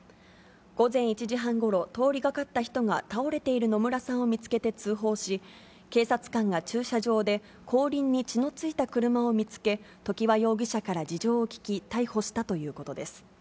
午前１時半ごろ、通りがかった人が、倒れている野村さんを見つけて、通報し、警察官が駐車場で、後輪に血のついた車を見つけ、常盤容疑者から事情を聴き、逮捕したということです。